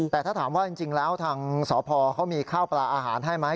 แต่ถ้าถามว่าจริงแล้วทางสพเขามีข้าวปลาอาหารให้ไหม